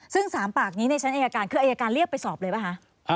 ซึ่ง๓ปากนี้ในชั้นอายการคืออายการเรียกไปสอบเลยป่ะคะ